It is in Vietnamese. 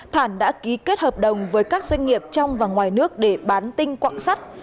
thản đã ký kết hợp đồng với các doanh nghiệp trong và ngoài nước để bán tinh quạng sắt